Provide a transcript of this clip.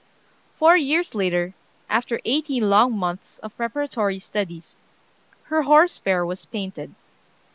Four years later, after eighteen long months of preparatory studies, her "Horse Fair" was painted.